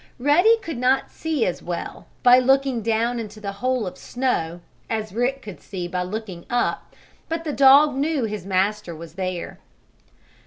Ruddy could not see as well, by looking down into the hole of snow, as Rick could see by looking up, but the dog knew his master was there.